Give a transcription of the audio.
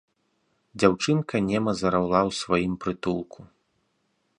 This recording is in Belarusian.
Дзяўчынка нема зараўла ў сваім прытулку.